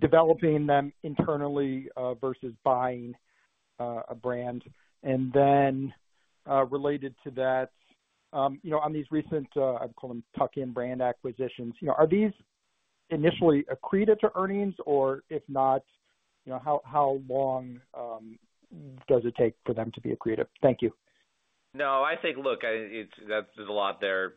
developing them internally, versus buying a brand? And then, related to that, you know, on these recent, I'd call them tuck-in brand acquisitions, you know, are these initially accretive to earnings? Or if not, you know, how long does it take for them to be accretive? Thank you. No, I think, look, it's that there's a lot there,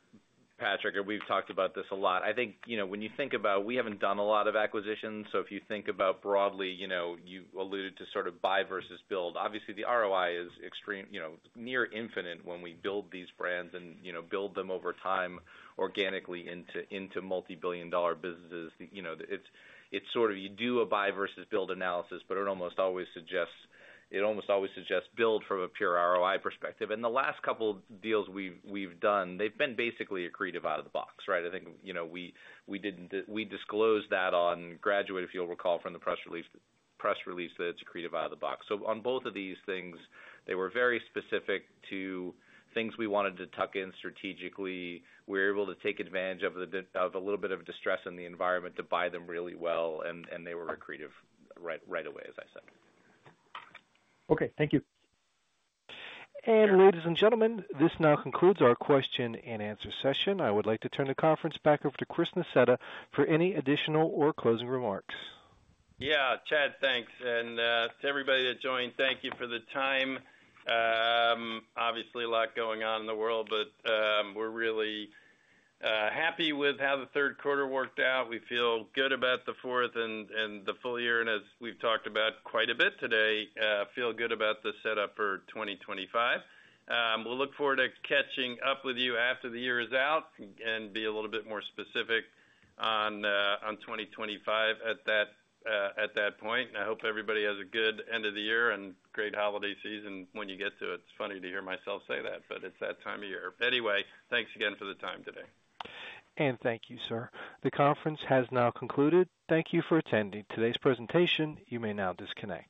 Patrick, and we've talked about this a lot. I think, you know, when you think about we haven't done a lot of acquisitions, so if you think about broadly, you know, you alluded to sort of buy versus build. Obviously, the ROI is extreme, you know, near infinite when we build these brands and, you know, build them over time organically into multibillion-dollar businesses. You know, it's sort of you do a buy versus build analysis, but it almost always suggests build from a pure ROI perspective. And the last couple of deals we've done, they've been basically accretive out of the box, right? I think, you know, we disclosed that on Graduate, if you'll recall from the press release, that it's accretive out of the box. On both of these things, they were very specific to things we wanted to tuck in strategically. We were able to take advantage of a little bit of distress in the environment to buy them really well, and they were accretive right away, as I said. Okay, thank you. Ladies and gentlemen, this now concludes our question and answer session. I would like to turn the conference back over to Chris Nassetta for any additional or closing remarks. Yeah, Chad, thanks. And to everybody that joined, thank you for the time. Obviously a lot going on in the world, but we're really happy with how the third quarter worked out. We feel good about the fourth and the full year, and as we've talked about quite a bit today, feel good about the setup for 2025. We'll look forward to catching up with you after the year is out and be a little bit more specific on 2025 at that point. I hope everybody has a good end of the year and great holiday season when you get to it. It's funny to hear myself say that, but it's that time of year. Anyway, thanks again for the time today. Thank you, sir. The conference has now concluded. Thank you for attending today's presentation. You may now disconnect.